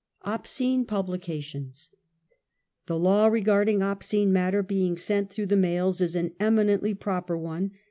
Obscene Publications. The law regarding "obscene matter being sent through the mails," is an eminently proper one.